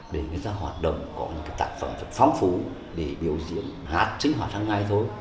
để người ta hoạt động có những tạc phẩm phong phú để biểu diễn hát sinh hoạt hàng ngày thôi